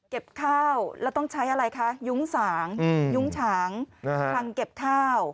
เก็บข้าวแล้วต้องใช้ยุ้งสังยุ้งถางชะคาร์เอนแน่สิ